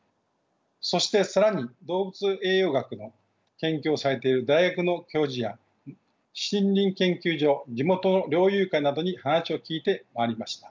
そして更に動物栄養学の研究をされている大学の教授や森林研究所地元の猟友会などに話を聞いて回りました。